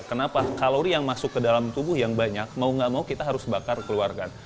kenapa kalori yang masuk ke dalam tubuh yang banyak mau gak mau kita harus bakar keluarga